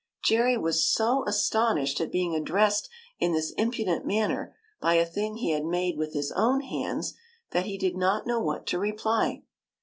Jerry was so astonished at being addressed in this impudent manner by a thing he had made with his own hands, that he did not know what to reply.